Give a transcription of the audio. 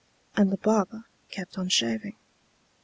And the barber kept on shaving.